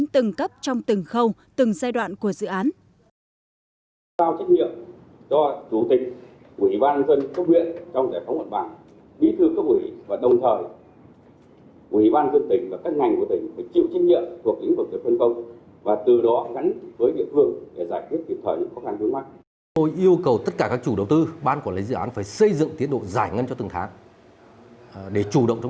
trong từng khâu từng giai đoạn của dự án